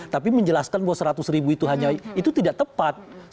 tapi menjelaskan bahwa seratus ribu itu hanya itu tidak tepat